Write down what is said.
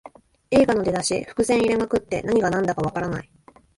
映画の出だし、伏線入れまくって何がなんだかわからない